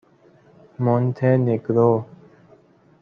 مونته نگرو